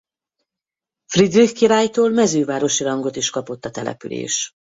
Friedrich királytól mezővárosi rangot is kapott a település.